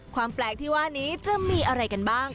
ความแปลกที่ว่านี้จะมีอะไรกันบ้าง